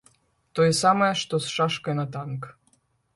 Тое самае, што з шашкай на танк.